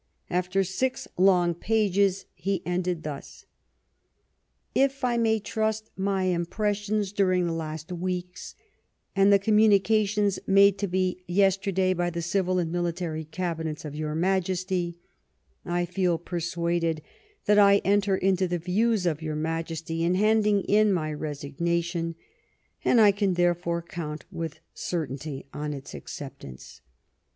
After six long pages he ended thus :'* If I may trust my impressions during the last weeks and the communications made to me yester day by the Civil and Military Cabinets Sn^^*^"^" ^^ y°^^ Majesty, I feel persuaded that I enter into the views of your Majesty in handing in my resignation, and I can therefore count with certainty on its acceptance."